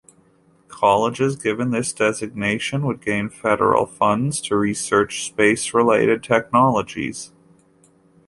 Colleges given this designation would gain federal funds to research space-related technologies.